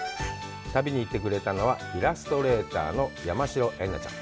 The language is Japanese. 旅に行ってくれたのは、イラストレーターの山代エンナちゃん。